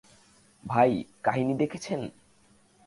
ভাই, কাহিনী দেখেছেন?